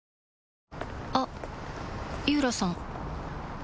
あっ井浦さん